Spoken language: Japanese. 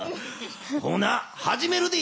ほなはじめるで。